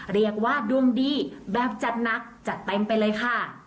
เรียกว่าดวงดีแบบจัดหนักจัดเต็มไปเลยค่ะ